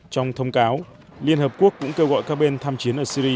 trong thông cáo liên hợp quốc cũng kêu gọi các bên tham chiến ở syri